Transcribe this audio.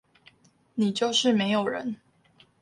你就是沒有人